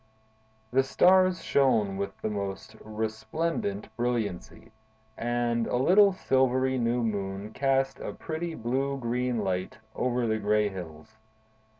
The stars shone with the most resplendent brilliancy, and a little silvery new moon cast a pretty blue green light over the gray hills.